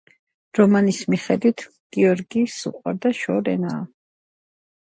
ასევე კიროვის, პერმისა და სვერდლოვსკის ოლქებში.